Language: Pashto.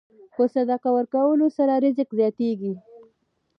په صدقه ورکولو سره رزق زیاتېږي.